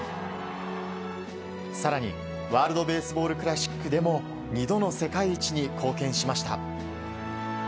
更にワールド・ベースボール・クラシックでも２度の世界一に貢献しました。